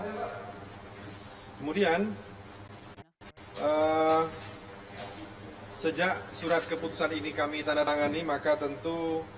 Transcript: kemudian sejak surat keputusan ini kami tanda tangani maka tentu